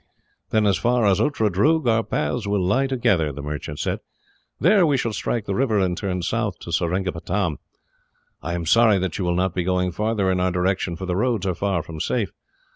"Then as far as Outradroog our paths will lie together," the merchant said. "There we shall strike the river, and turn south to Seringapatam. I am sorry that you will not be going farther in our direction, for the roads are far from safe.